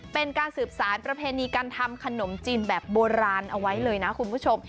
เป็นการสืบสารประเพณีการทำขนมจีนแบบโบราณเอาไว้เลยนะคุณผู้ชม